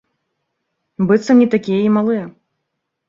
Быццам, не такія і малыя.